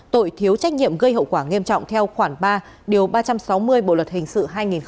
tội thiếu trách nhiệm gây hậu quả nghiêm trọng theo khoảng ba điều ba trăm sáu mươi bộ luật hình sự hai nghìn một mươi năm